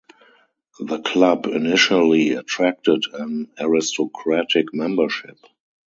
The club initially attracted an aristocratic membership.